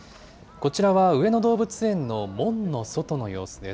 こちらは上野動物園の門の外の様子です。